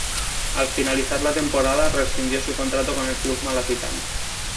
Al finalizar la temporada, rescindió su contrato con el club malacitano.